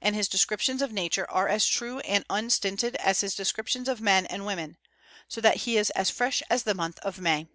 And his descriptions of nature are as true and unstinted as his descriptions of men and women, so that he is as fresh as the month of May.